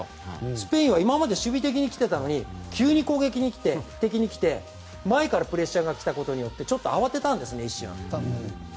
スペインは今まで守備的に来ていたのに急に攻撃的に来て前からプレッシャーが来たことでちょっと慌てたんですね。